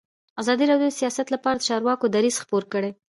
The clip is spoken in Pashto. ازادي راډیو د سیاست لپاره د چارواکو دریځ خپور کړی.